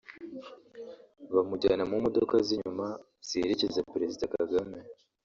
bamujyana mu modoka z’inyuma ziherekeza perezida Kagame